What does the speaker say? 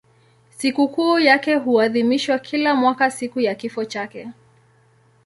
Sikukuu yake huadhimishwa kila mwaka siku ya kifo chake.